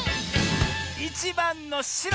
１ばんのしろ！